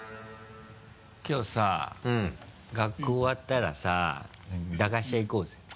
きょうさ学校終わったらさ駄菓子屋行こうぜ。